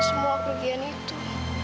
semua pergian itu